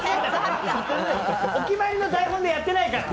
お決まりの台本でやってないから。